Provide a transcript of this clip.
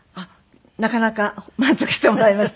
なかなか満足してもらえました。